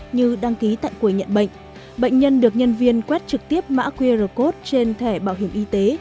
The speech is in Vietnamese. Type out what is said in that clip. như đăng ký tại quầy nhận bệnh bệnh nhân được nhân viên quét trực tiếp mã qr code trên thẻ bảo hiểm y tế